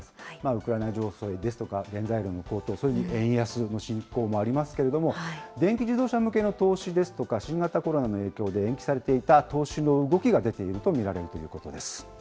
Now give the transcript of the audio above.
ウクライナ情勢ですとか、原材料の高騰、それに円安の進行もありますけれども、電気自動車向けの投資ですとか、新型コロナの影響で延期されていた投資の動きが出ていると見られるということです。